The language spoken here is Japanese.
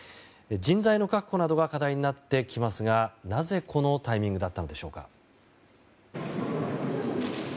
人材の確保などが課題となってきますがなぜ、このタイミングだったのでしょうか。